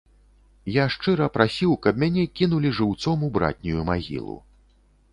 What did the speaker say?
Я шчыра прасіў, каб мяне кінулі жыўцом у братнюю магілу.